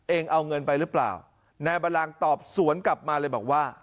เองเอาเงินไปหรือเปล่านายบรังตอบสวนกลับมาเลยบอกว่า